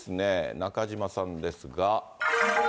中島さんですが。